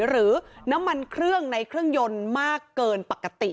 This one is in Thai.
หรือน้ำมันเครื่องในเครื่องยนต์มากเกินปกติ